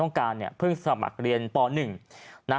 โป่งแร่ตำบลพฤศจิตภัณฑ์